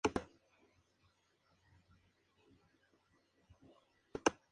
La situación legal de refugiado político de Pinto Molina sería revisada.